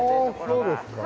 ああそうですか。